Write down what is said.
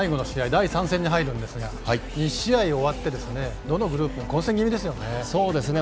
第３戦に入るんですが１試合終わってどのグループも混戦気味ですよね。